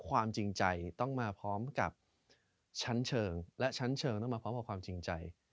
ความจริงใจต้องมาพร้อมกับชั้นเชิงและชั้นเชิงต้องมาพร้อมกับความจริงใจ